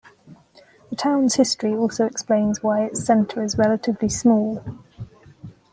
The town's history also explains why its centre is relatively small.